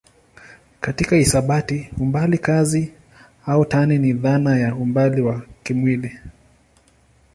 Katika hisabati umbali kazi au tani ni dhana ya umbali wa kimwili.